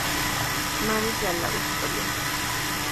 Marys y al lago Superior.